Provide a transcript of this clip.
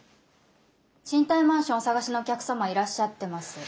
賃貸マンションお探しのお客様いらっしゃってます。